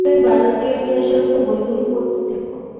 তুমি ভারতীয় ইতিহাসের ওপর বইগুলো পড়তে থেকো।